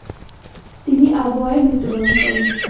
তিনি আবওয়ায় মৃত্যুবরণ করেন।